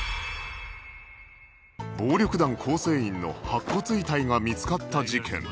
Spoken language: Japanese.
暴力団構成員の白骨遺体が見つかった事件